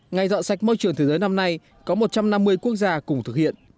ngày dọn sạch môi trường thế giới năm nay có một trăm năm mươi quốc gia cùng thực hiện